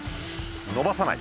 伸ばさない。